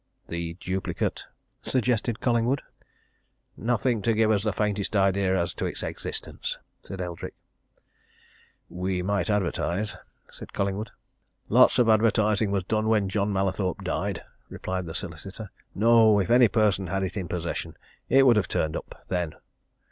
"The duplicate?" suggested Collingwood. "Nothing to give us the faintest idea as to its existence!" said Eldrick. "We might advertise," said Collingwood. "Lots of advertising was done when John Mallathorpe died," replied the solicitor. "No! if any person had had it in possession, it would have turned up then.